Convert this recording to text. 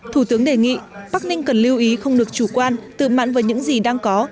thủ tướng đề nghị bắc ninh cần lưu ý không được chủ quan tự mạn với những gì đang có